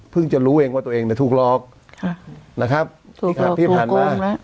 เพิ่งจะรู้เองว่าตัวเองเนี้ยถูกลอกค่ะนะครับถูกลอกถูกลงแล้ว